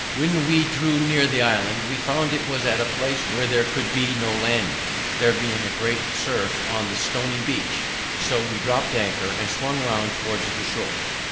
When we drew near the island, we found it was at a place where there could be no landing, there being a great surff on the stony beach. So we dropt anchor, and swung round towards the shore.